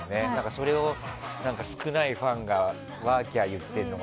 それを少ないファンがワーキャー言ってるのが。